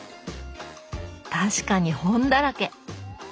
確かに本だらけ。